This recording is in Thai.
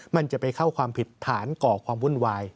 มันจะไปเข้าความผิดฐานก่อความวุ่นวาย